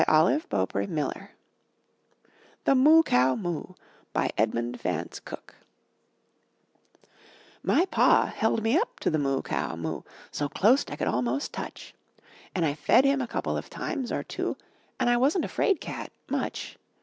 MY BOOK HOUSE THE MOO COW MOO* Edmund Vance Cooke My pa held me up to the Moo Cow Moo So clost I could almost touch, En I fed him a couple of times, or two, En I wasn't a 'fraid cat much.